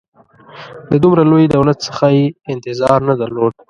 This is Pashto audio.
د دومره لوی دولت څخه یې انتظار نه درلود.